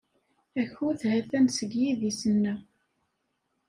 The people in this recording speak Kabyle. Akud ha-t-an seg yidis-nneɣ.